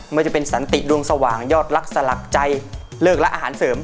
ว่าจะเป็นสันติดวงสว่างยอดรักสลักใจเลิกและอาหารเสริม